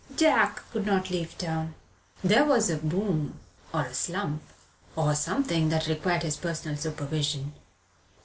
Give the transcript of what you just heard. John could not leave town. There was a boom or a slump or something that required his personal supervision.